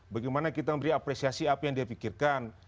bagaimana kita memberi apresiasi apa yang dia pikirkan